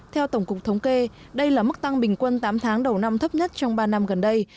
theo tổng cục thống kê đây là mức tăng bình quân tám tháng đầu năm thấp nhất trong ba năm gần đây